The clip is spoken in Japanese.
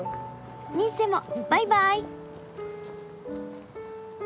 ニッセもバイバーイ！